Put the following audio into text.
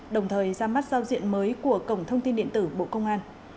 đồng thời ra mắt giao diện mới của cổng thông tin điện tử bộ công an